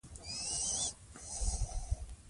مور او ماشوم ځانګړې پاملرنې ته اړتيا لري.